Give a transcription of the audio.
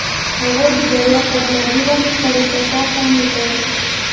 هغوی د دریا پر لرګي باندې خپل احساسات هم لیکل.